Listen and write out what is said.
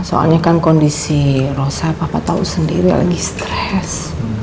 soalnya kan kondisi rose papa tahu sendiri lagi stres